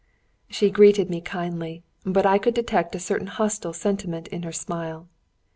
She greeted me kindly, but I could detect a certain hostile sentiment in her smile.